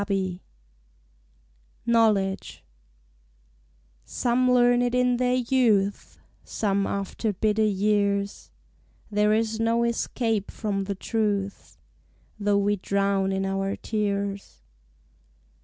Vigils KNOWLEDGE Some learn it in their youth, Some after bitter y^ars: There is no escape from the truth Though we drown in our tears.